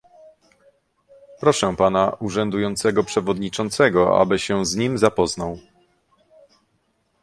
Proszę pana urzędującego przewodniczącego, aby się z nim zapoznał